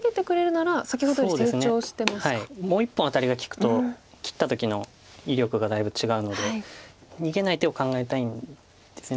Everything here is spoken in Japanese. もう１本アタリが利くと切った時の威力がだいぶ違うので逃げない手を考えたいんです。